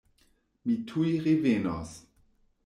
Mi tuj revenos!